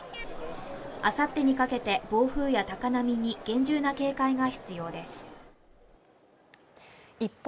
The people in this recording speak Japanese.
あさってにかけて暴風や高波に厳重な警戒が必要です一方